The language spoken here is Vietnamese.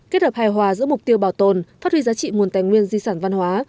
kết hợp hài hòa giữa mục tiêu bảo tồn phát huy giá trị nguồn tài nguyên di sản văn hóa